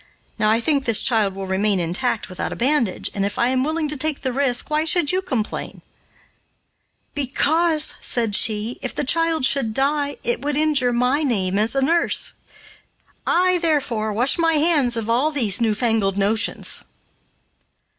Now I think this child will remain intact without a bandage, and, if I am willing to take the risk, why should you complain?" "Because," said she, "if the child should die, it would injure my name as a nurse. I therefore wash my hands of all these new fangled notions."